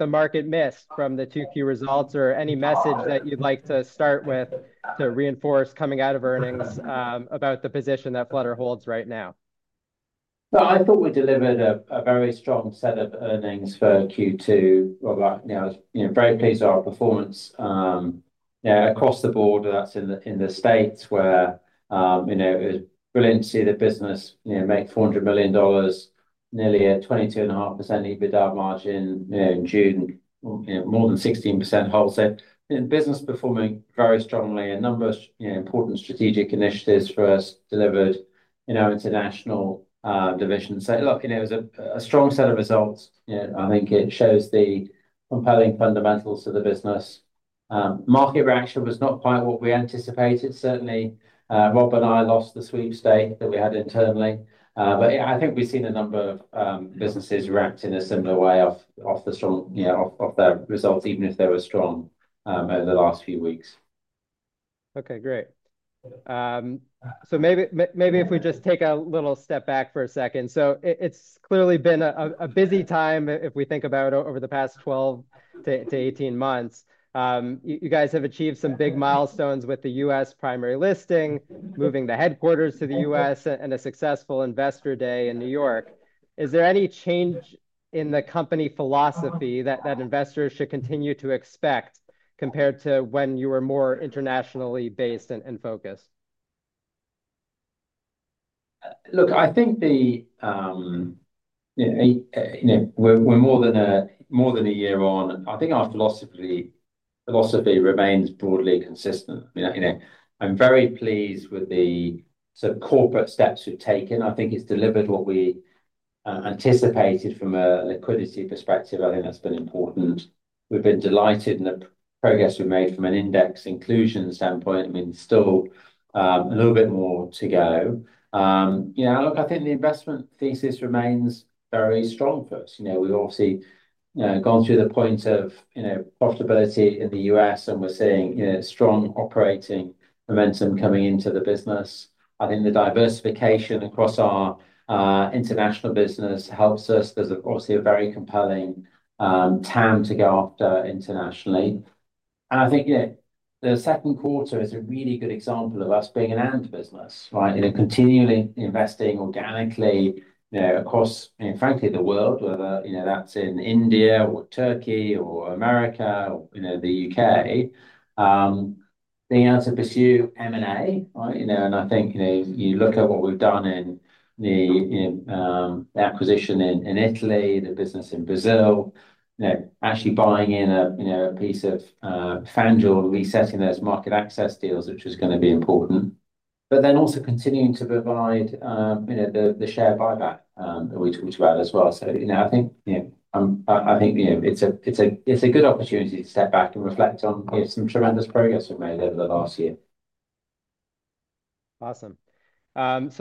The market missed from the Q2 results, or any message that you'd like to start with to reinforce coming out of earnings about the position that Flutter holds right now? I thought we delivered a very strong set of earnings for Q2. We're very pleased with our performance across the board. That's in the United States where it was brilliant to see the business make $400 million, nearly a 22.5% EBITDA margin in June, more than 16% hold. The business is performing very strongly and a number of important strategic initiatives for us were delivered in our international division. It was a strong set of results. I think it shows the compelling fundamentals of the business. Market reaction was not quite what we anticipated, certainly. Rob and I lost the sweepstakes that we had internally. I think we've seen a number of businesses react in a similar way off the results, even if they were strong, over the last few weeks. Okay, great. Maybe if we just take a little step back for a second. It's clearly been a busy time if we think about it over the past 12 months-18 months. You guys have achieved some big milestones with the U.S. primary listing, moving the headquarters to the U.S., and a successful Investor Day in New York. Is there any change in the company philosophy that investors should continue to expect compared to when you were more internationally based and focused? I think we're more than a year on. I think our philosophy remains broadly consistent. I'm very pleased with the sort of corporate steps we've taken. I think it's delivered what we anticipated from a liquidity perspective. I think that's been important. We've been delighted in the progress we've made from an index inclusion standpoint. I mean, still a little bit more to go. I think the investment thesis remains very strong for us. We've obviously gone through the point of profitability in the U.S. and we're seeing strong operating momentum coming into the business. I think the diversification across our international business helps us. There's obviously a very compelling time to go after internationally. I think the second quarter is a really good example of us being an "and" business, right? Continually investing organically across, frankly, the world, whether that's in India or Turkey or America or the U.K. Being able to pursue M&A, right? I think you look at what we've done in the acquisition in Italy, the business in Brazil, actually buying in a piece of FanDuel and resetting those market access deals, which is going to be important. Also continuing to provide the share buyback that we talked about as well. I think it's a good opportunity to step back and reflect on some tremendous progress we've made over the last year. Awesome. That's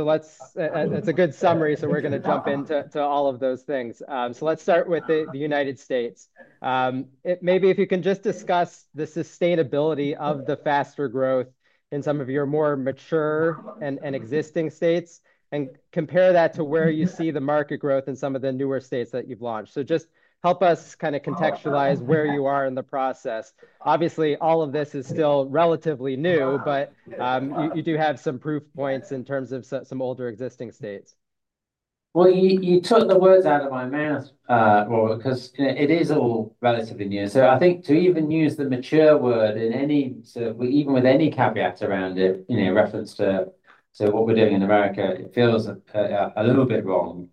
a good summary. We're going to jump into all of those things. Let's start with the United States. Maybe if you can just discuss the sustainability of the faster growth in some of your more mature and existing states and compare that to where you see the market growth in some of the newer states that you've launched. Just help us kind of contextualize where you are in the process. Obviously, all of this is still relatively new, but you do have some proof points in terms of some older existing states. You took the words out of my mouth, Robert, because it is all relatively new. I think to even use the mature word, even with any caveat around it, in reference to what we're doing in America, it feels a little bit wrong.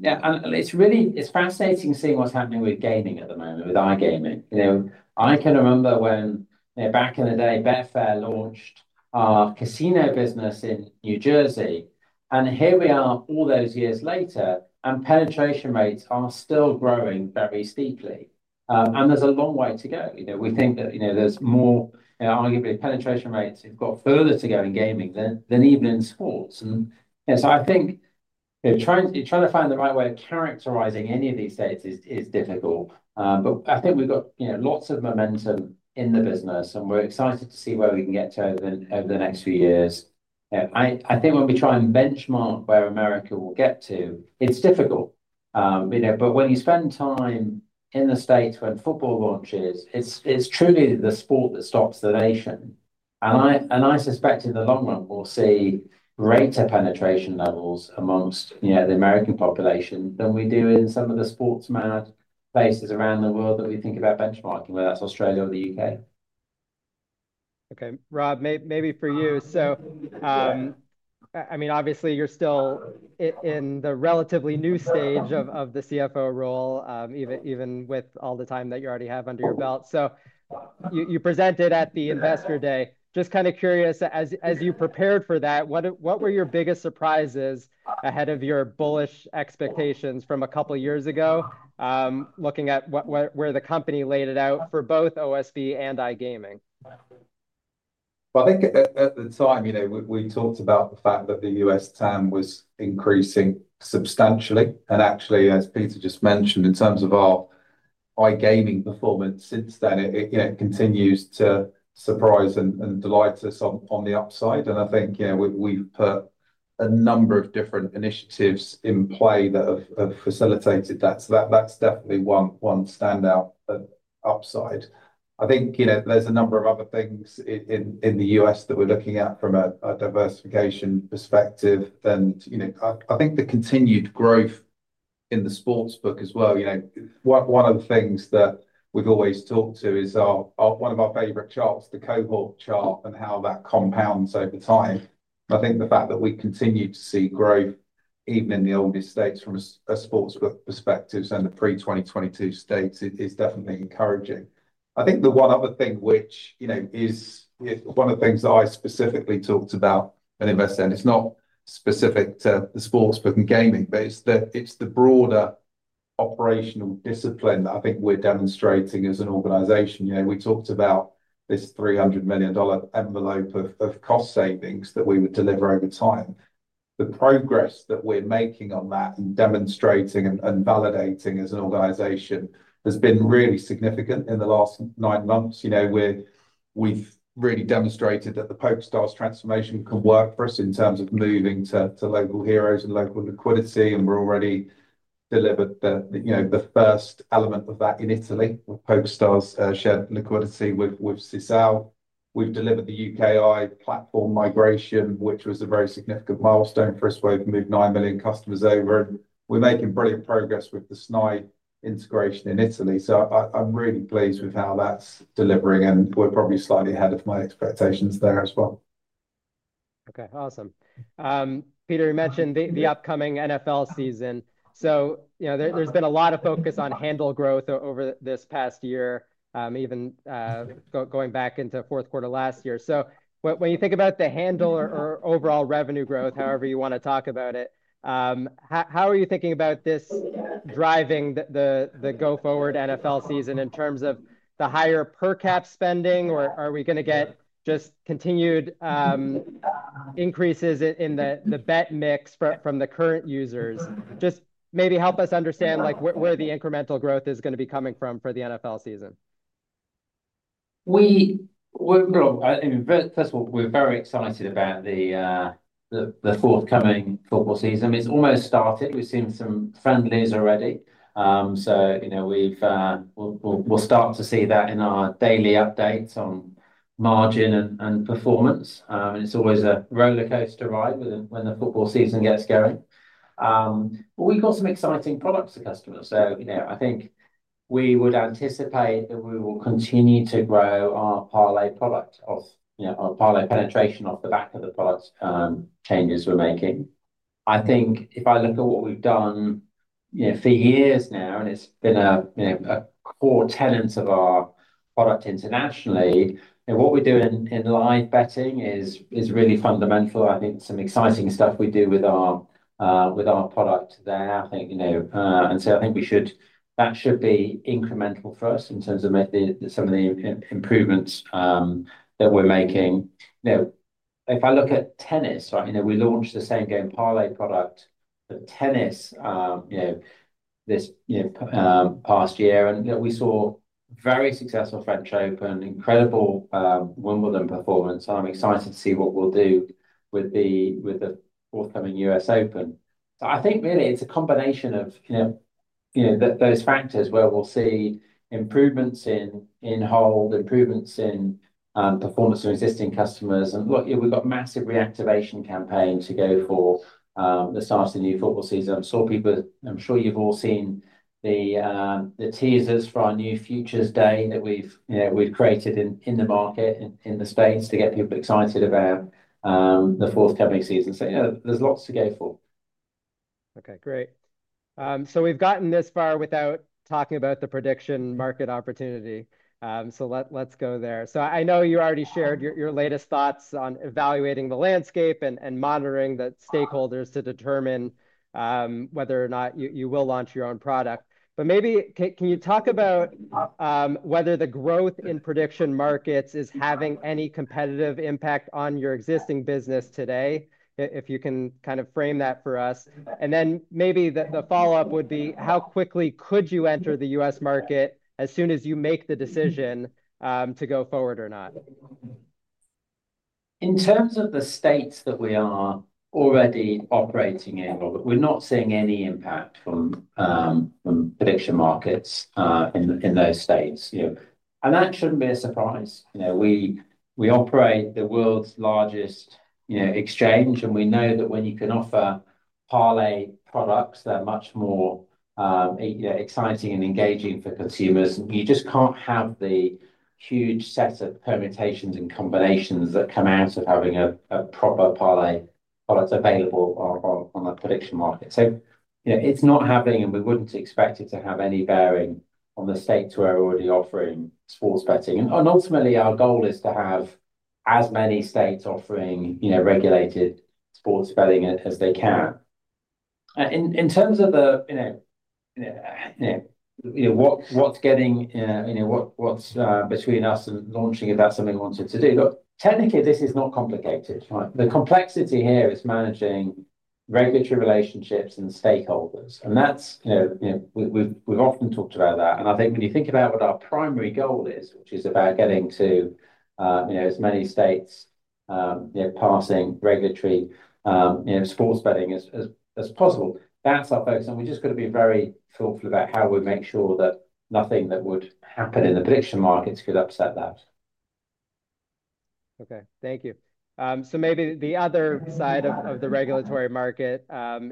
It's really fascinating seeing what's happening with gaming at the moment, with iGaming. I can remember when, back in the day, Betfair launched our casino business in New Jersey. Here we are all those years later, and penetration rates are still growing very steeply. There's a long way to go. We think that there's more, arguably penetration rates have got further to go in gaming than even in sports. I think trying to find the right way of characterizing any of these states is difficult. I think we've got lots of momentum in the business, and we're excited to see where we can get to over the next few years. I think when we try and benchmark where America will get to, it's difficult. When you spend time in the States when football launches, it's truly the sport that stops the nation. I suspect in the long run, we'll see greater penetration levels amongst the American population than we do in some of the sports mad places around the world that we think about benchmarking, whether that's Australia or the U.K. Okay, Rob, maybe for you. Obviously you're still in the relatively new stage of the CFO role, even with all the time that you already have under your belt. You presented at the Investor Day. Just kind of curious, as you prepared for that, what were your biggest surprises ahead of your bullish expectations from a couple of years ago, looking at where the company laid it out for both OSB and iGaming? I think at the time, you know, we talked about the fact that the U.S. TAM was increasing substantially. Actually, as Peter just mentioned, in terms of our iGaming performance since then, it continues to surprise and delight us on the upside. I think, you know, we've put a number of different initiatives in play that have facilitated that. That's definitely one standout upside. I think, you know, there's a number of other things in the U.S. that we're looking at from a diversification perspective. I think the continued growth in the sportsbook as well. One of the things that we've always talked to is one of our favorite charts, the cohort chart, and how that compounds over time. I think the fact that we continue to see growth, even in the oldest states from a sportsbook perspective, and the pre-2022 states is definitely encouraging. I think the one other thing which, you know, is one of the things that I specifically talked about when investing, it's not specific to the sportsbook and gaming, but it's the broader operational discipline that I think we're demonstrating as an organization. We talked about this $300 million envelope of cost savings that we would deliver over time. The progress that we're making on that and demonstrating and validating as an organization has been really significant in the last nine months. We've really demonstrated that the PokerStars transformation can work for us in terms of moving to local heroes and local liquidity. We've already delivered the first element of that in Italy with PokerStars shared liquidity with Sisal. We've delivered the UKI platform migration, which was a very significant milestone for us where we've moved 9 million customers over. We're making brilliant progress with the Snaitech integration in Italy. I'm really pleased with how that's delivering, and we're probably slightly ahead of my expectations there as well. Okay, awesome. Peter, you mentioned the upcoming NFL season. There's been a lot of focus on handle growth over this past year, even going back into the fourth quarter last year. When you think about the handle or overall revenue growth, however you want to talk about it, how are you thinking about this driving the go forward NFL season in terms of the higher per cap spending? Are we going to get just continued increases in the bet mix from the current users? Maybe help us understand where the incremental growth is going to be coming from for the NFL season. First of all, we're very excited about the forthcoming football season. It's almost started. We've seen some trend moves already, so we'll start to see that in our daily updates on margin and performance. It's always a roller coaster ride when the football season gets going. We've got some exciting products for customers. I think we would anticipate that we will continue to grow our parlay product, our parlay penetration off the back of the product changes we're making. If I look at what we've done for years now, it's been a core tenet of our product internationally, and what we do in live betting is really fundamental. I think some exciting stuff we do with our product there should be incremental for us in terms of some of the improvements that we're making. If I look at tennis, we launched the same game parlay product for tennis this past year, and we saw a very successful French Open and incredible Wimbledon performance. I'm excited to see what we'll do with the forthcoming US Open. I think really it's a combination of those factors where we'll see improvements in hold, improvements in performance from existing customers. We've got a massive reactivation campaign to go for the start of the new football season. I'm sure you've all seen the teasers for our new Futures Day that we've created in the market in Spain to get people excited about the forthcoming season. There's lots to go for. Okay, great. We've gotten this far without talking about the prediction market opportunity. Let's go there. I know you already shared your latest thoughts on evaluating the landscape and monitoring the stakeholders to determine whether or not you will launch your own product. Maybe can you talk about whether the growth in prediction markets is having any competitive impact on your existing business today? If you can kind of frame that for us. Maybe the follow-up would be how quickly could you enter the U.S. market as soon as you make the decision to go forward or not? In terms of the states that we are already operating in, Robert, we're not seeing any impact from prediction markets in those states. You know, and that shouldn't be a surprise. We operate the world's largest exchange, and we know that when you can offer parlay products, they're much more exciting and engaging for consumers. You just can't have the huge set of permutations and combinations that come out of having a proper parlay product available on a prediction market. It's not happening, and we wouldn't expect it to have any bearing on the states we're already offering sports betting. Ultimately, our goal is to have as many states offering regulated sports betting as they can. In terms of what's getting between us and launching if that's something we wanted to do, technically, this is not complicated. The complexity here is managing regulatory relationships and stakeholders. That's something we've often talked about. I think when you think about what our primary goal is, which is about getting to as many states passing regulatory sports betting as possible, that's our focus. We've just got to be very thoughtful about how we make sure that nothing that would happen in the prediction markets could upset that. Okay, thank you. Maybe the other side of the regulatory market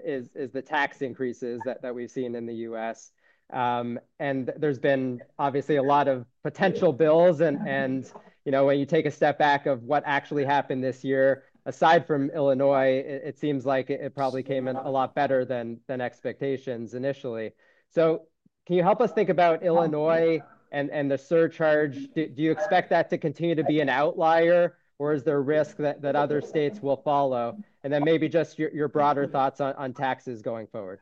is the tax increases that we've seen in the U.S. There's been obviously a lot of potential bills. When you take a step back of what actually happened this year, aside from Illinois, it seems like it probably came in a lot better than expectations initially. Can you help us think about Illinois and the surcharge? Do you expect that to continue to be an outlier, or is there a risk that other states will follow? Maybe just your broader thoughts on taxes going forward.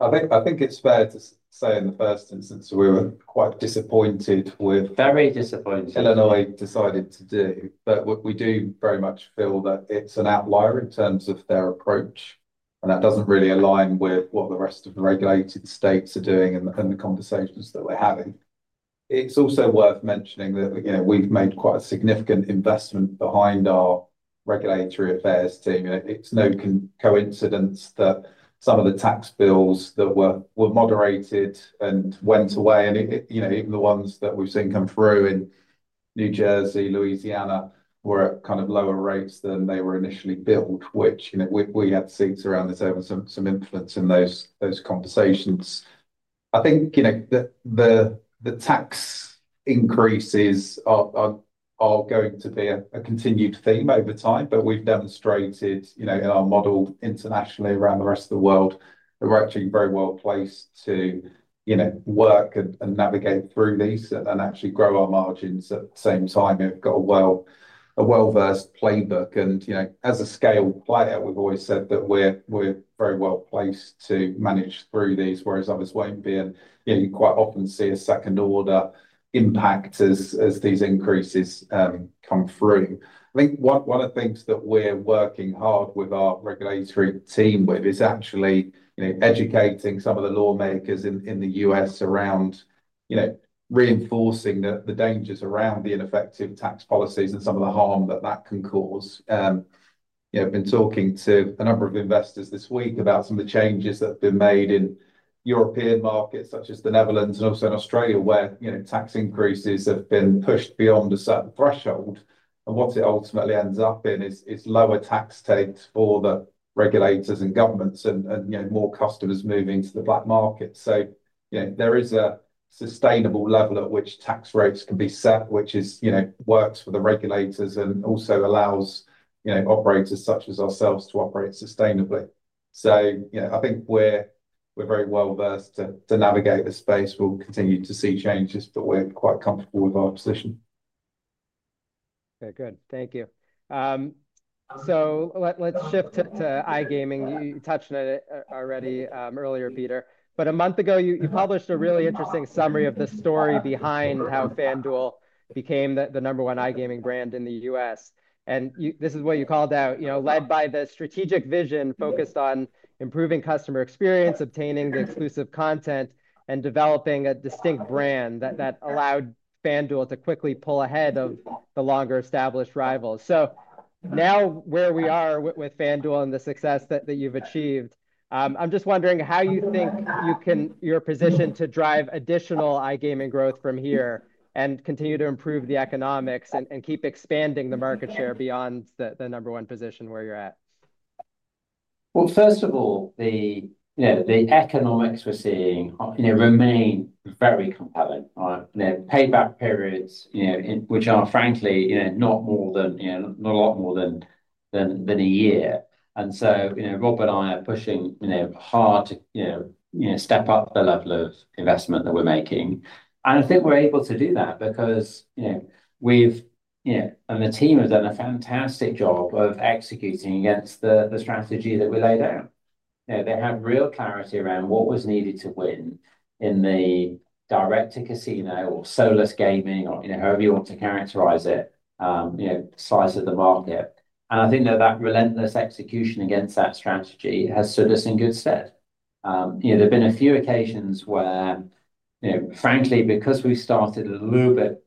I think it's fair to say in the first instance, we were quite disappointed. Very disappointed. Illinois decided to do. We do very much feel that it's an outlier in terms of their approach. That doesn't really align with what the rest of the regulated states are doing and the conversations that we're having. It's also worth mentioning that we've made quite a significant investment behind our regulatory affairs team. It's no coincidence that some of the tax bills that were moderated and went away, and even the ones that we've seen come through in New Jersey and Louisiana, were at kind of lower rates than they were initially billed, which we have seats around this having some influence in those conversations. I think the tax increases are going to be a continued theme over time, but we've demonstrated in our model internationally around the rest of the world that we're actually very well placed to work and navigate through these and actually grow our margins at the same time. We've got a well-versed playbook, and as a scaled player, we've always said that we're very well placed to manage through these, whereas others won't be. You quite often see a second order impact as these increases come through. I think one of the things that we're working hard with our regulatory team with is actually educating some of the lawmakers in the U.S. around reinforcing the dangers around the ineffective tax policies and some of the harm that that can cause. I've been talking to a number of investors this week about some of the changes that have been made in European markets such as the Netherlands and also in Australia where tax increases have been pushed beyond a certain threshold. What it ultimately ends up in is lower tax takes for the regulators and governments and more customers moving to the black market. There is a sustainable level at which tax rates can be set, which works for the regulators and also allows operators such as ourselves to operate sustainably. I think we're very well versed to navigate the space. We'll continue to see changes, but we're quite comfortable with our position. Okay, good. Thank you. Let's shift to iGaming. You touched on it already earlier, Peter. A month ago, you published a really interesting summary of the story behind how FanDuel became the number one iGaming brand in the U.S. This is what you called out, you know, led by the strategic vision focused on improving customer experience, obtaining the exclusive content, and developing a distinct brand that allowed FanDuel to quickly pull ahead of the longer established rivals. Now where we are with FanDuel and the success that you've achieved, I'm just wondering how you think you're positioned to drive additional iGaming growth from here and continue to improve the economics and keep expanding the market share beyond the number one position where you're at. First of all, the economics we're seeing remain very compelling. Payback periods, which are frankly not more than a year. Rob and I are pushing hard to step up the level of investment that we're making. I think we're able to do that because we've, and the team have done a fantastic job of executing against the strategy that we laid out. They had real clarity around what was needed to win in the direct-to-casino or solar gaming, or however you want to characterize it, size of the market. I think that relentless execution against that strategy has stood us in good stead. There have been a few occasions where, frankly, because we've started a little bit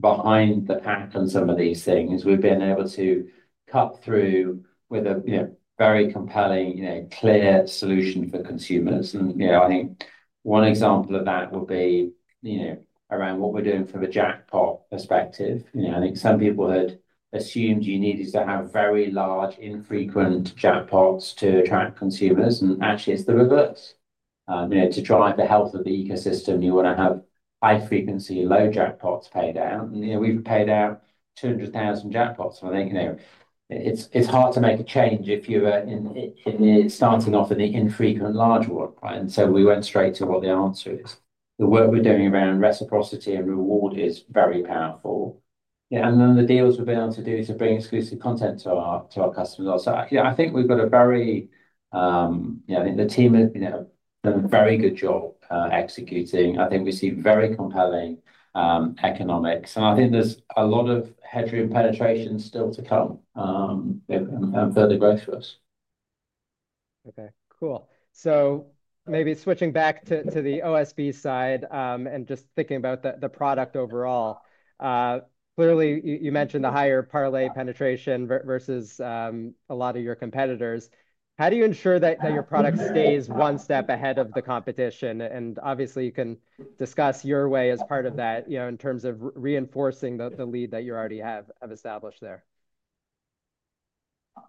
behind the pack on some of these things, we've been able to cut through with a very compelling, clear solution for consumers. I think one example of that would be around what we're doing from a jackpot perspective. I think some people had assumed you needed to have very large, infrequent jackpots to attract consumers. Actually, it's the reverse. To drive the health of the ecosystem, you want to have high frequency, low jackpots paid out. We've paid out 200,000 jackpots. I think it's hard to make a change if you were starting off in the infrequent and large world. We went straight to what the answer is. The work we're doing around reciprocity and reward is very powerful. The deals we've been able to do to bring exclusive content to our customers. I think we've got a very, I think the team has done a very good job executing. I think we see very compelling economics. I think there's a lot of hedging and penetration still to come, and further growth for us. Okay, cool. Maybe switching back to the OSB side, and just thinking about the product overall. Clearly, you mentioned the higher parlay penetration versus a lot of your competitors. How do you ensure that your product stays one step ahead of the competition? Obviously, you can discuss Your Way as part of that, in terms of reinforcing the lead that you already have established there.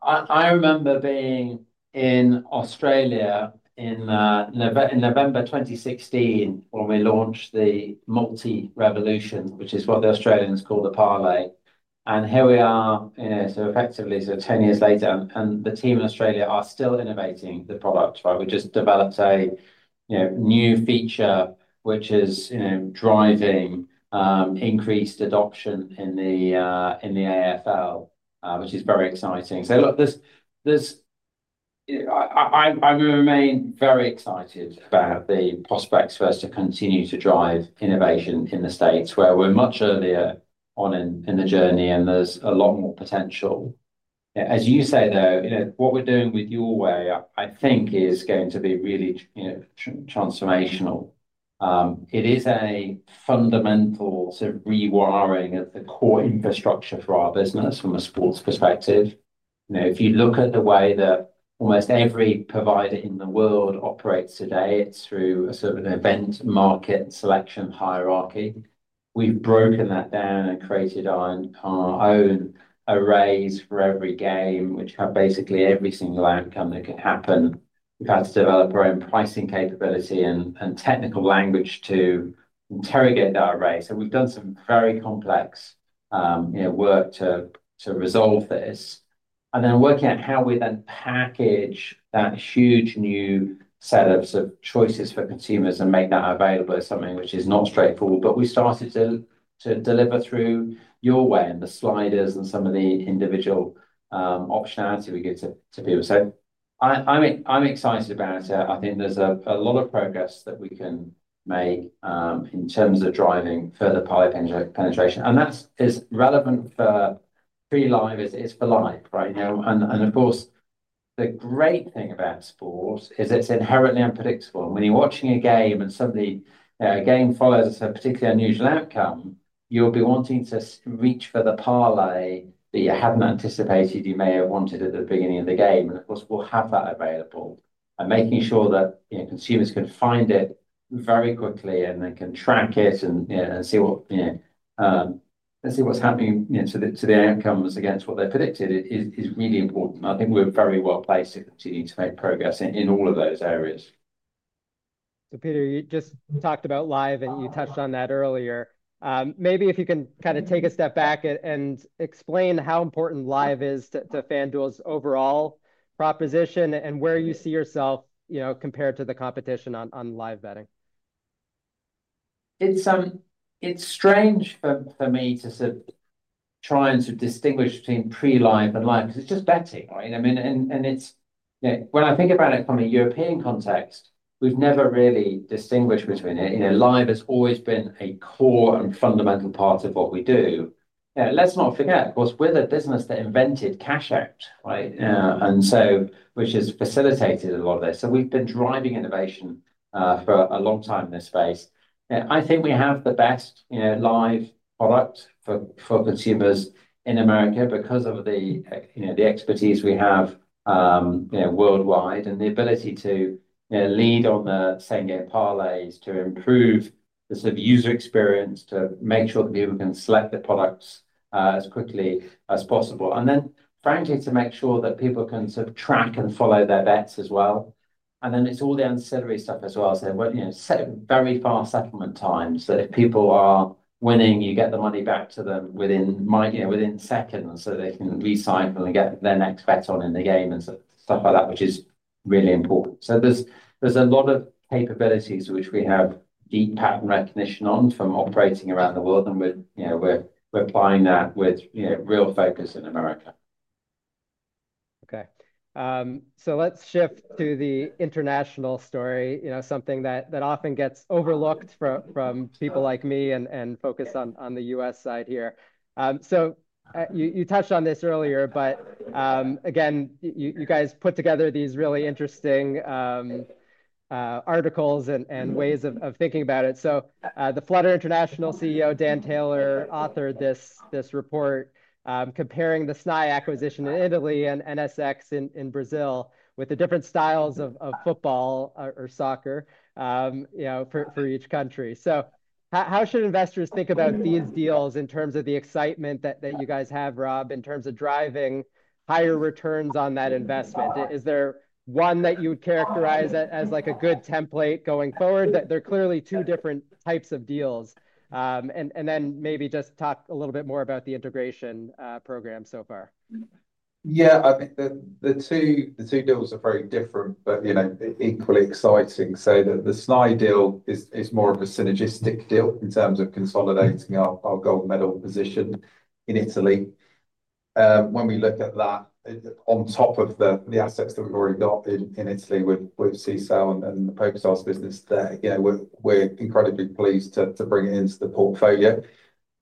I remember being in Australia in November 2016 when we launched the multi-revolution, which is what the Australians call the parlay. Here we are, so effectively, 10 years later, and the team in Australia are still innovating the product. We just developed a new feature, which is driving increased adoption in the AFL, which is very exciting. Look, I remain very excited about the prospects for us to continue to drive innovation in the United States where we're much earlier on in the journey and there's a lot more potential. Yeah, as you say, what we're doing with Your Way, I think, is going to be really transformational. It is a fundamental sort of rewiring of the core infrastructure for our business from a sports perspective. If you look at the way that almost every provider in the world operates today, it's through a sort of event market selection hierarchy. We've broken that down and created our own arrays for every game, which have basically every single outcome that could happen. We've had to develop our own pricing capability and technical language to interrogate that array. We've done some very complex work to resolve this. Working out how we then package that huge new set of choices for consumers and make that available is something which is not straightforward, but we started to deliver through Your Way and the sliders and some of the individual optionality we give to people. I'm excited about it. I think there's a lot of progress that we can make in terms of driving further parlay penetration. That is relevant for pre-live as it is for live, right now. The great thing about sport is it's inherently unpredictable. When you're watching a game and suddenly a game follows a particularly unusual outcome, you'll be wanting to reach for the parlay that you haven't anticipated you may have wanted at the beginning of the game. We'll have that available. Making sure that consumers can find it very quickly and then can track it and see what's happening to the outcomes against what they predicted is really important. I think we're very well placed to continue to make progress in all of those areas. Peter, you just talked about live and you touched on that earlier. Maybe if you can take a step back and explain how important live is to FanDuel's overall proposition and where you see yourself compared to the competition on live betting. It's strange for me to try and distinguish between pre-live and live because it's just betting, right? I mean, when I think about it from a European context, we've never really distinguished between it. Live has always been a core and fundamental part of what we do. Let's not forget, of course, we're the business that invented cash app, right? Which has facilitated a lot of this. We've been driving innovation for a long time in this space. I think we have the best live product for consumers in America because of the expertise we have worldwide and the ability to lead on the same parlays to improve the user experience, to make sure that people can select the products as quickly as possible. Frankly, to make sure that people can track and follow their bets as well. It's all the ancillary stuff as well. Very fast settlement times that if people are winning, you get the money back to them within seconds so they can recycle and get their next bet on in the game and stuff like that, which is really important. There's a lot of capabilities to which we have deep pattern recognition on from operating around the world. We're applying that with real focus in America. Okay. Let's shift to the international story, you know, something that often gets overlooked from people like me and focused on the U.S. side here. You touched on this earlier, but again, you guys put together these really interesting articles and ways of thinking about it. The Flutter International CEO, Dan Taylor, authored this report comparing the Snaitech acquisition in Italy and NSX in Brazil with the different styles of football or soccer for each country. How should investors think about these deals in terms of the excitement that you guys have, Rob, in terms of driving higher returns on that investment? Is there one that you would characterize as a good template going forward? There are clearly two different types of deals. Maybe just talk a little bit more about the integration program so far. Yeah, I think the two deals are very different, but, you know, equally exciting. The Snaitech deal is more of a synergistic deal in terms of consolidating our gold medal position in Italy. When we look at that, on top of the assets that we've already got in Italy with Sisal and the PokerStars business there, we're incredibly pleased to bring it into the portfolio.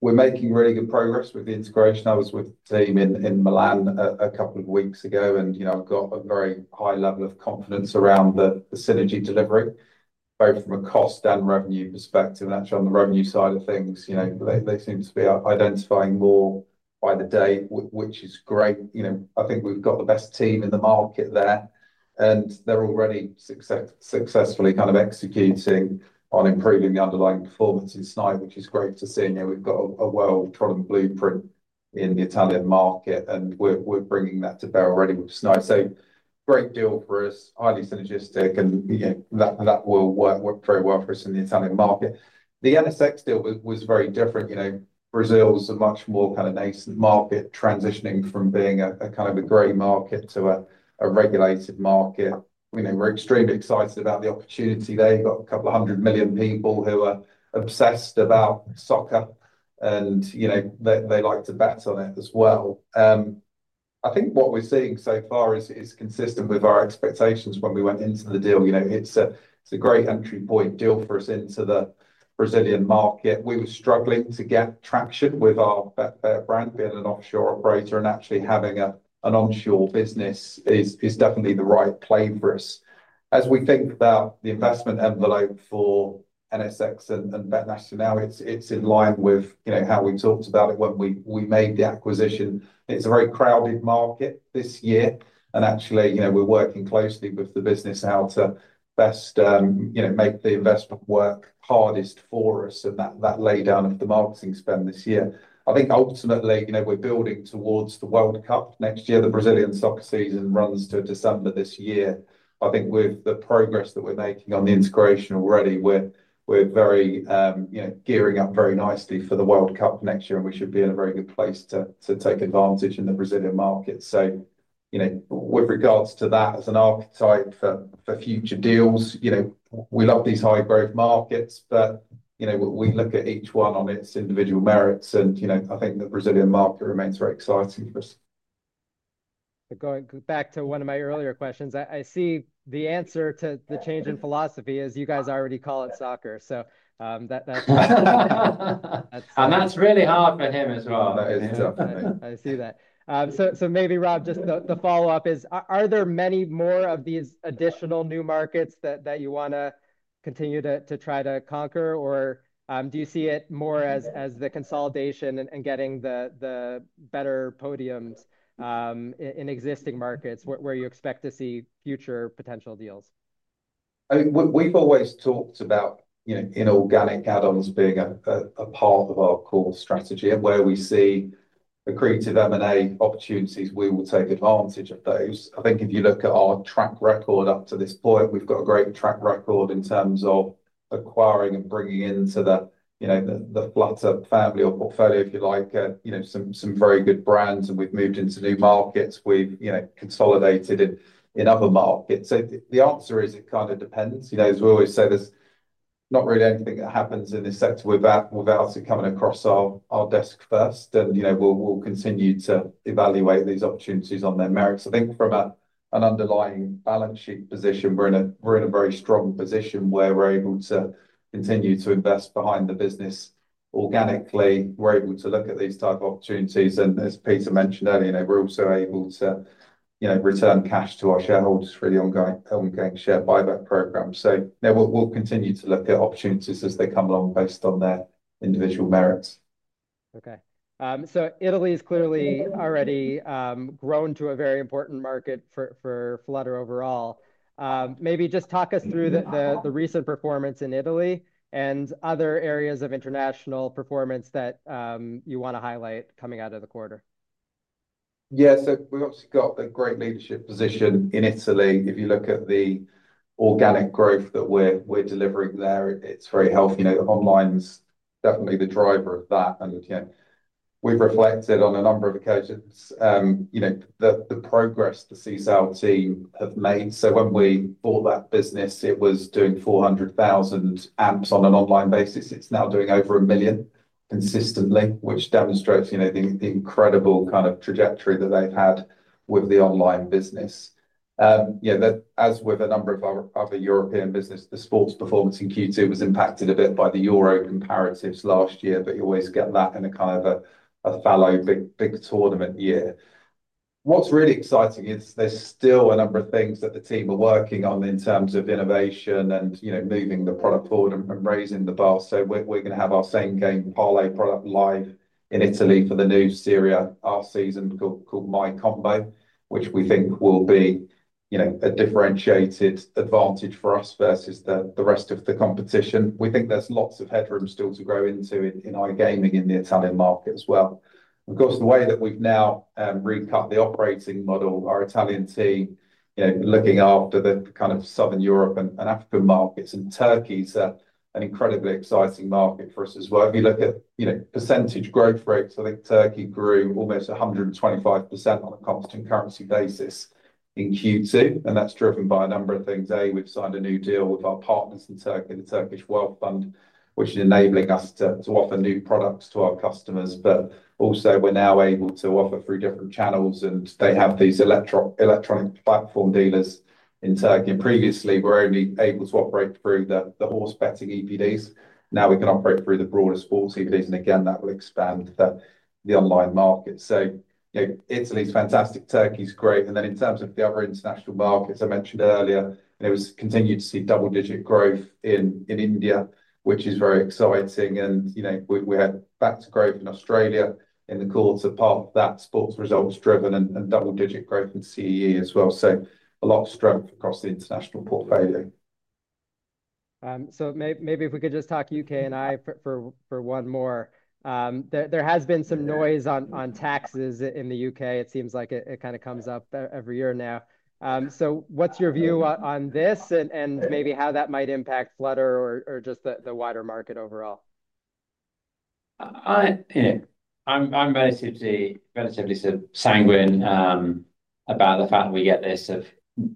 We're making really good progress with the integration. I was with the team in Milan a couple of weeks ago, and I've got a very high level of confidence around the synergy delivery, both from a cost and revenue perspective. Actually, on the revenue side of things, they seem to be identifying more by the day, which is great. I think we've got the best team in the market there, and they're already successfully executing on improving the underlying performance in Snaitech, which is great to see. We've got a world-record blueprint in the Italian market, and we're bringing that to bear already, which is nice. Great deal for us, highly synergistic, and that will work very well for us in the Italian market. The NSX deal was very different. Brazil was a much more nascent market, transitioning from being a kind of gray market to a regulated market. We're extremely excited about the opportunity there. You've got a couple of hundred million people who are obsessed about soccer, and they like to bet on it as well. I think what we're seeing so far is consistent with our expectations when we went into the deal. It's a great entry point deal for us into the Brazilian market. We were struggling to get traction with our bet brand. We had an offshore operator, and actually having an onshore business is definitely the right play for us. As we think about the investment envelope for NSX and Betnacional, it's in line with how we talked about it when we made the acquisition. It's a very crowded market this year, and we're working closely with the business how to best make the investment work hardest for us and that lay down of the marketing spend this year. I think ultimately, we're building towards the World Cup next year. The Brazilian soccer season runs to December this year. I think with the progress that we're making on the inspiration already, we're gearing up very nicely for the World Cup next year, and we should be in a very good place to take advantage in the Brazilian market. With regards to that as an archetype for future deals, we love these high growth markets, but we look at each one on its individual merits, and I think the Brazilian market remains very exciting for us. Going back to one of my earlier questions, I see the answer to the change in philosophy is you guys already call it soccer. That's it. That is really hard for him as well. I see that. Maybe, Rob, just the follow-up is, are there many more of these additional new markets that you want to continue to try to conquer, or do you see it more as the consolidation and getting the better podiums in existing markets where you expect to see future potential deals? I mean, we've always talked about inorganic add-ons being a part of our core strategy, and where we see the accretive M&A opportunities, we will take advantage of those. I think if you look at our track record up to this point, we've got a great track record in terms of acquiring and bringing into the Flutter family or portfolio, if you like, some very good brands, and we've moved into new markets. We've consolidated in other markets. The answer is it kind of depends. As we always said, there's not really anything that happens in this sector without it coming across our desk first, and we'll continue to evaluate these opportunities on their merits. I think from an underlying balance sheet position, we're in a very strong position where we're able to continue to invest behind the business organically. We're able to look at these types of opportunities, and as Peter mentioned earlier, we're also able to return cash to our shareholders through the ongoing share buyback program. We'll continue to look at opportunities as they come along based on their individual merits. Okay. Italy is clearly already grown to a very important market for Flutter overall. Maybe just talk us through the recent performance in Italy and other areas of international performance that you want to highlight coming out of the quarter. Yeah, so we've obviously got a great leadership position in Italy. If you look at the organic growth that we're delivering there, it's very healthy. Online is definitely the driver of that. We've reflected on a number of occasions, you know, the progress the Sisal team have made. When we bought that business, it was doing 400,000 AMPs on an online basis. It's now doing over a million consistently, which demonstrates the incredible kind of trajectory that they've had with the online business. As with a number of our other European businesses, the sports performance in Q2 was impacted a bit by the Euro comparatives last year, but you always get that in a kind of a fallow big tournament year. What's really exciting is there's still a number of things that the team are working on in terms of innovation and moving the product forward and raising the bar. We're going to have our same game parlay product live in Italy for the new Serie A season called My Combo, which we think will be a differentiated advantage for us versus the rest of the competition. We think there's lots of headroom still to grow into in iGaming in the Italian market as well. Of course, the way that we've now recut the operating model, our Italian team, looking after the kind of Southern Europe and African markets, and Turkey is an incredibly exciting market for us as well. If you look at percentage growth rates, I think Turkey grew almost 125% on a cost and currency basis in Q2, and that's driven by a number of things. A, we've signed a new deal with our partners in Turkey, the Turkish Wealth Fund, which is enabling us to offer new products to our customers, but also we're now able to offer three different channels, and they have these electronic platform dealers in Turkey. Previously, we were only able to operate through the horse betting EPDs. Now we can operate through the broader sports EPDs, and again, that will expand the online market. Italy's fantastic, Turkey's great, and then in terms of the other international markets, I mentioned earlier, it was continued to see double-digit growth in India, which is very exciting, and we had batch growth in Australia in the quarter, part that sports results driven and double-digit growth in CEE as well. A lot of strength across the international portfolio. Maybe if we could just talk U.K. and I for one more. There has been some noise on taxes in the U.K. It seems like it kind of comes up every year now. What's your view on this and maybe how that might impact Flutter or just the wider market overall? I'm mostly relatively sanguine about the fact that we get this sort of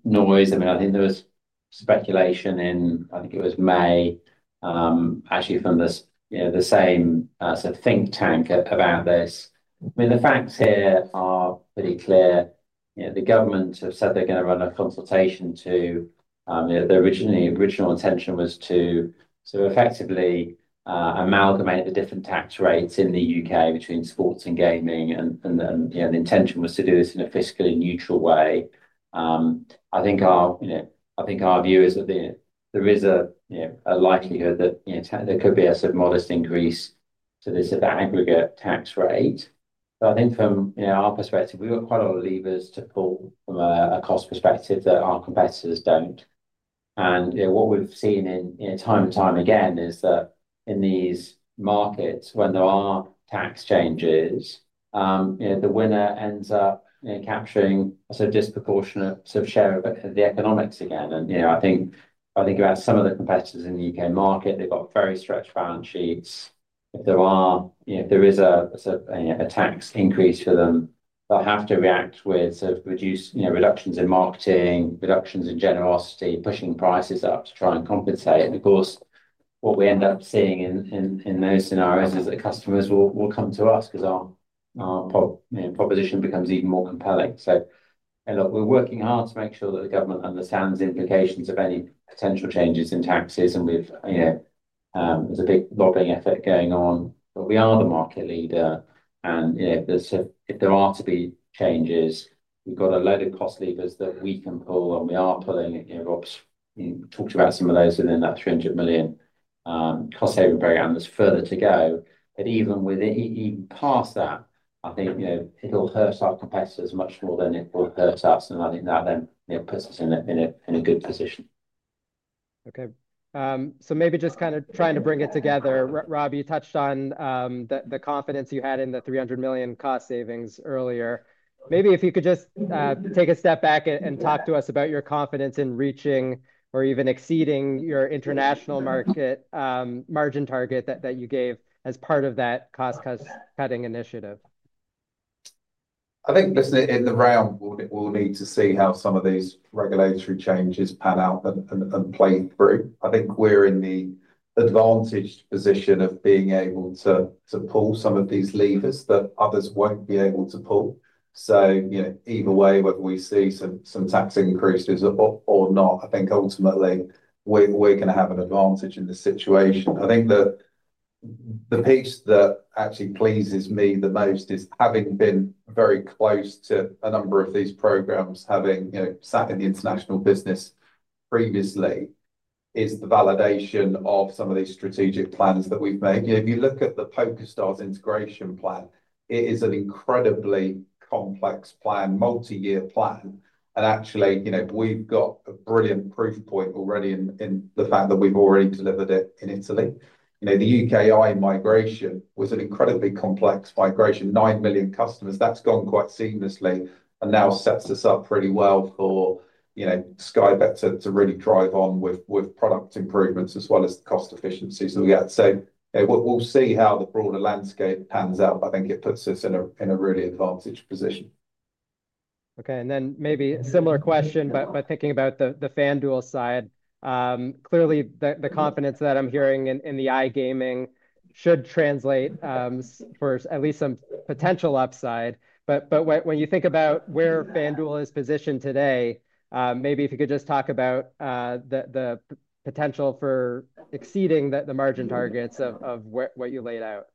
noise. I mean, I think there was speculation in, I think it was May, actually from the same sort of think tank about this. I mean, the facts here are pretty clear. The government have said they're going to run a consultation to, you know, the original intention was to sort of effectively amalgamate the different tax rates in the U.K. between sports and gaming, and the intention was to do this in a fiscally neutral way. I think our view is that there is a likelihood that there could be a sort of modest increase to this sort of aggregate tax rate. From our perspective, we've got quite a lot of levers to pull from a cost perspective that our competitors don't. What we've seen time and time again is that in these markets, when there are tax changes, the winner ends up capturing a sort of disproportionate share of the economics again. I think about some of the competitors in the U.K. market, they've got very stretched balance sheets. If there is a tax increase to them, they'll have to react with reductions in marketing, reductions in generosity, pushing prices up to try and compensate. Of course, what we end up seeing in those scenarios is that customers will come to us because our proposition becomes even more compelling. We're working hard to make sure that the government understands the implications of any potential changes in taxes, and there's a big lobbying effort going on, but we are the market leader. If there are to be changes, we've got a load of cost levers that we can pull, and we are pulling it. Rob's talked about some of those in that $300 million cost-saving program. There's further to go. Even past that, I think it'll hurt our competitors much more than it will hurt us. I think that then puts us in a good position. Okay. Maybe just kind of trying to bring it together, Rob, you touched on the confidence you had in the $300 million cost savings earlier. Maybe if you could just take a step back and talk to us about your confidence in reaching or even exceeding your international market margin target that you gave as part of that cost-cutting initiative. I think in the round, we'll need to see how some of these regulatory changes pan out and play through. I think we're in the advantaged position of being able to pull some of these levers that others won't be able to pull. Either way, whether we see some tax increases or not, I think ultimately we're going to have an advantage in this situation. I think that the piece that actually pleases me the most is having been very close to a number of these programs, having sat in the international business previously, is the validation of some of these strategic plans that we've made. You look at the PokerStars integration plan. It is an incredibly complex plan, multi-year plan. Actually, we've got a brilliant proof point already in the fact that we've already delivered it in Italy. The UKI migration was an incredibly complex migration, 9 million customers. That's gone quite seamlessly and now sets us up really well for Sky Bet to really drive on with product improvements as well as the cost efficiencies that we get. We'll see how the broader landscape pans out. I think it puts us in a really advantageous position. Okay. Maybe a similar question, but thinking about the FanDuel side, clearly the confidence that I'm hearing in the iGaming should translate for at least some potential upside. When you think about where FanDuel is positioned today, maybe if you could just talk about the potential for exceeding the margin targets of what you laid out.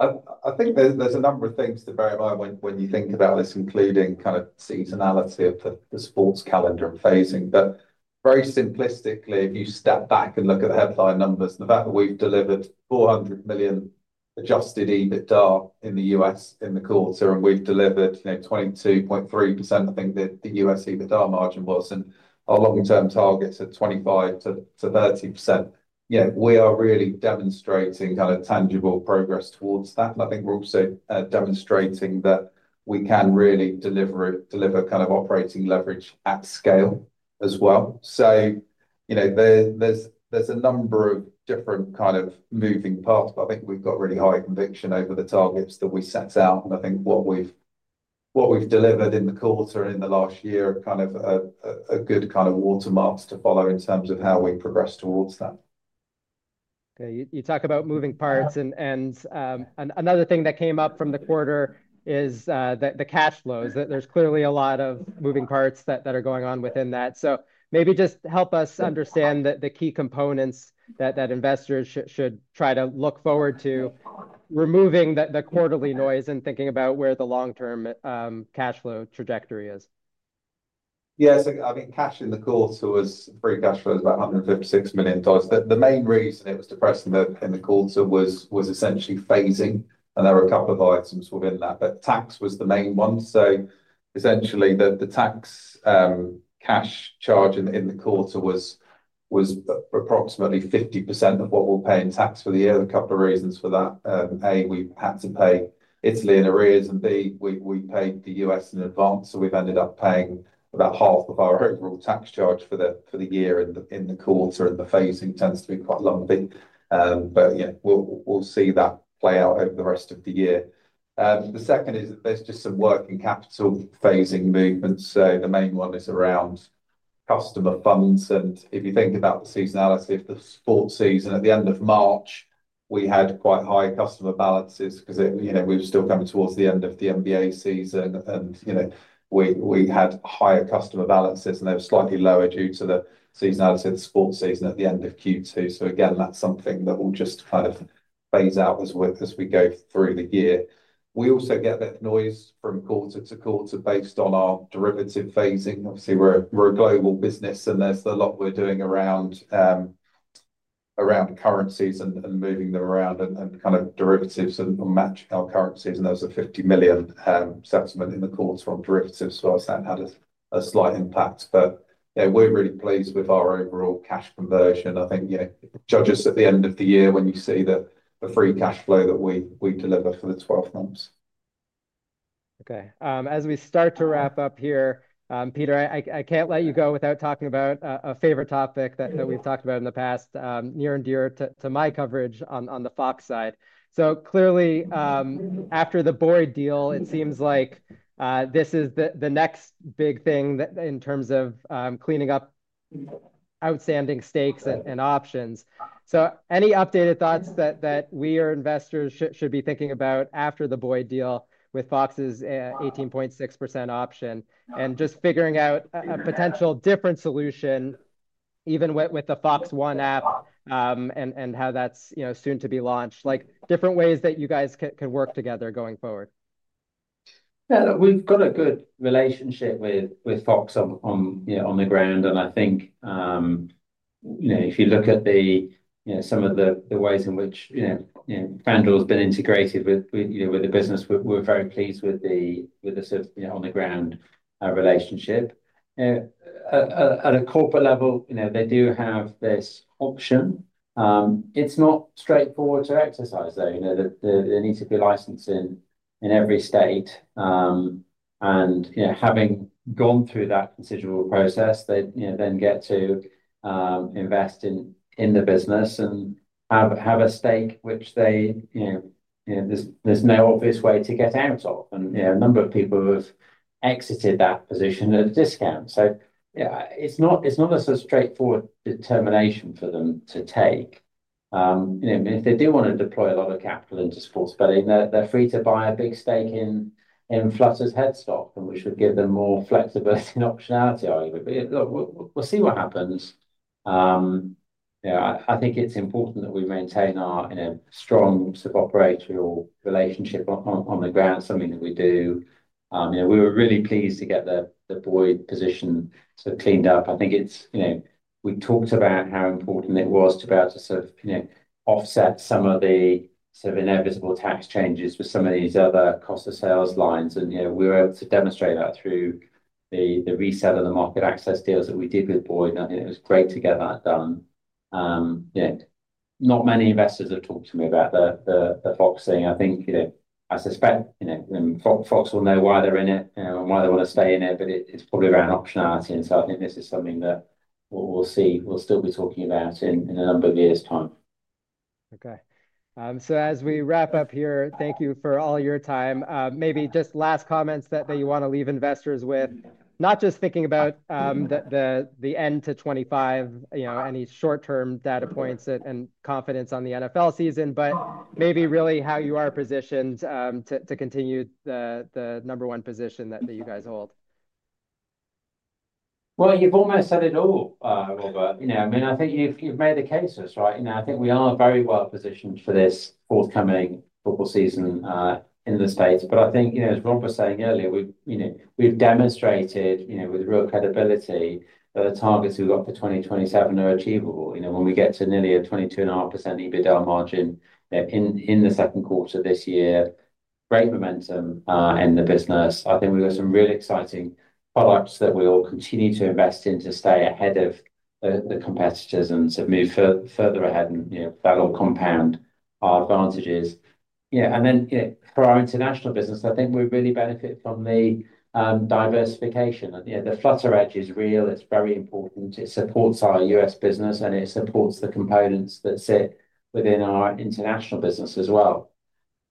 I think there's a number of things to bear in mind when you think about this, including kind of seasonality of the sports calendar phasing. Very simplistically, if you step back and look at the headline numbers, the fact that we've delivered $400 million adjusted EBITDA in the U.S. in the quarter, and we've delivered, you know, 22.3%, I think the U.S. EBITDA margin was, and our long-term targets are 25%-30%. We are really demonstrating kind of tangible progress towards that. I think we're also demonstrating that we can really deliver kind of operating leverage at scale as well. There's a number of different kind of moving parts, but I think we've got really high conviction over the targets that we set out. I think what we've delivered in the quarter and in the last year is kind of a good kind of watermarks to follow in terms of how we progress towards that. Okay. You talk about moving parts, and another thing that came up from the quarter is the cash flows. There are clearly a lot of moving parts that are going on within that. Maybe just help us understand the key components that investors should try to look forward to, removing the quarterly noise and thinking about where the long-term cash flow trajectory is. Yeah, so I mean, cash in the quarter was free cash flow of about $156 million. The main reason it was depressed in the quarter was essentially phasing, and there were a couple of items within that, but tax was the main one. Essentially, the tax cash charge in the quarter was approximately 50% of what we're paying tax for the year. There are a couple of reasons for that. A, we had to pay Italy in arrears, and B, we paid the U.S. in advance. We've ended up paying about half of our overall tax charge for the year in the quarter, and the phasing tends to be quite a lot of it. We'll see that play out over the rest of the year. The second is there's just some working capital phasing movements. The main one is around customer funds. If you think about the seasonality of the sports season, at the end of March, we had quite high customer balances because, you know, we were still coming towards the end of the NBA season. We had higher customer balances, and they were slightly lower due to the seasonality of the sports season at the end of Q2. That's something that we'll just kind of phase out as we go through the year. We also get that noise from quarter-to-quarter based on our derivative phasing. Obviously, we're a global business, and there's a lot we're doing around currencies and moving them around and kind of derivatives and matching our currencies. There's a $50 million settlement in the quarter on derivatives. That had a slight impact. We're really pleased with our overall cash conversion. I think, you know, judge us at the end of the year when you see the free cash flow that we delivered for the 12 months. Okay. As we start to wrap up here, Peter, I can't let you go without talking about a favorite topic that we've talked about in the past, near and dear to my coverage on the FOX side. Clearly, after the Boyd deal, it seems like this is the next big thing in terms of cleaning up outstanding stakes and options. Any updated thoughts that we or investors should be thinking about after the Boyd deal with FOX's 18.6% option and just figuring out a potential different solution, even with the FOX One app and how that's soon to be launched, like different ways that you guys could work together going forward? We've got a good relationship with FOX on the ground. I think, you know, if you look at some of the ways in which FanDuel has been integrated with the business, we're very pleased with the sort of on-the-ground relationship. At a corporate level, you know, they do have this option. It's not straightforward to exercise, though. They need to be licensed in every state. Having gone through that procedural process, they then get to invest in the business and have a stake which they, you know, there's no obvious way to get out of. A number of people have exited that position at a discount. It's not a straightforward determination for them to take. If they do want to deploy a lot of capital into sports, they're free to buy a big stake in Flutter's headstock, which would give them more flexibility and optionality, arguably. We'll see what happens. I think it's important that we maintain our strong operational relationship on the ground, something that we do. We were really pleased to get the Boyd position sort of cleaned up. I think it's, you know, we talked about how important it was to be able to sort of offset some of the sort of inevitable tax changes with some of these other cost of sales lines. We were able to demonstrate that through the resale of the market access deals that we did with Boyd. I think it was great to get that done. Not many investors have talked to me about the FOX thing. I think, you know, I suspect FOX will know why they're in it and why they want to stay in it, but it's probably about an optionality. I think this is something that we'll see, we'll still be talking about in a number of years' time. Okay, as we wrap up here, thank you for all your time. Maybe just last comments that you want to leave investors with, not just thinking about the end to 2025, any short-term data points and confidence on the NFL season, but maybe really how you are positioned to continue the number one position that you guys hold. You've almost said it all, Robert. I think you've made the cases, right? I think we are very well positioned for this forthcoming football season in the States. I think, as Rob was saying earlier, we've demonstrated with real credibility that the targets we've got for 2027 are achievable. When we get to nearly a 22.5% EBITDA margin in the second quarter of this year, great momentum in the business. I think we've got some really exciting products that we'll continue to invest in to stay ahead of the competitors and sort of move further ahead, and that will compound our advantages. For our international business, I think we really benefit from the diversification. The Flutter edge is real. It's very important. It supports our U.S. business and it supports the components that sit within our international business as well.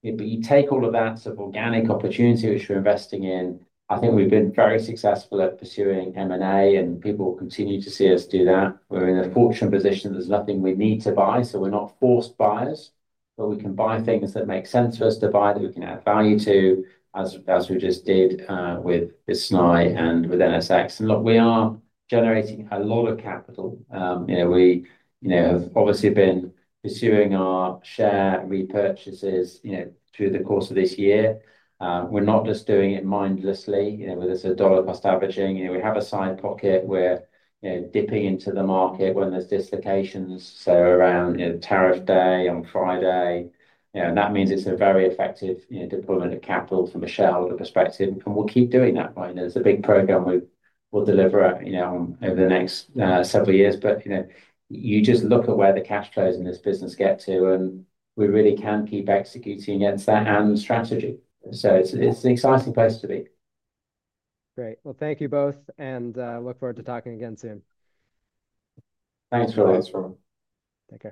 You take all of that sort of organic opportunity which we're investing in. I think we've been very successful at pursuing M&A and people continue to see us do that. We're in a fortunate position. There's nothing we need to buy. We're not forced buyers, but we can buy things that make sense for us to buy that we can add value to, as we just did with Sisal and with NSX. We are generating a lot of capital. We have obviously been pursuing our share repurchases through the course of this year. We're not just doing it mindlessly, with a dollar cost averaging. We have a side pocket. We're dipping into the market when there's dislocations, so around the tariff day on Friday. That means it's a very effective deployment of capital from a shareholder perspective. We'll keep doing that, right? There's a big program we'll deliver over the next several years. You just look at where the cash flows in this business get to, and we really can keep executing against that and the strategy. It's an exciting place to be. Great. Thank you both, and look forward to talking again soon. Thanks, Rob. Thanks, Rob. Take care.